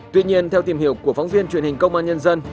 tuy nhiên theo tìm hiểu của phóng viên truyền hình công an nhân dân